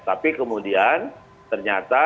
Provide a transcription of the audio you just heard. tapi kemudian ternyata